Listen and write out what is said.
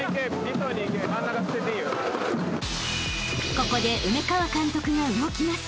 ［ここで梅川監督が動きます］